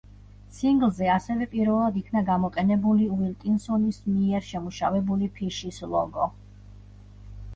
სინგლზე ასევე პირველად იქნა გამოყენებული უილკინსონის მიერ შემუშავებული ფიშის ლოგო.